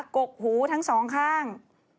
กกหูทั้งสองข้าง